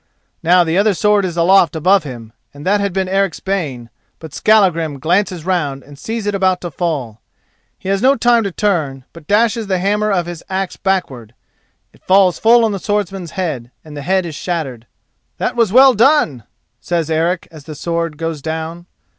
Now the other sword is aloft above him, and that had been Eric's bane, but Skallagrim glances round and sees it about to fall. He has no time to turn, but dashes the hammer of his axe backward. It falls full on the swordsman's head, and the head is shattered. "That was well done," says Eric as the sword goes down.